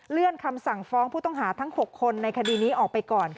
คำสั่งฟ้องผู้ต้องหาทั้ง๖คนในคดีนี้ออกไปก่อน